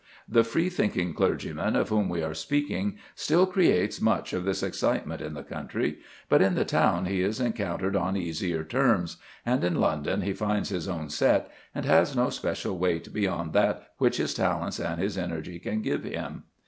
The free thinking clergyman of whom we are speaking still creates much of this excitement in the country; but in the town he is encountered on easier terms, and in London he finds his own set, and has no special weight beyond that which his talents and his energy can give him.